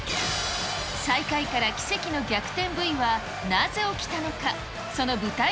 最下位から奇跡の逆転Ｖはなぜ起きたのか。